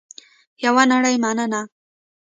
یوه نړۍ مننه